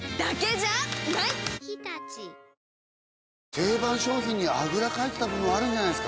定番商品にあぐらかいてた部分あるんじゃないですか？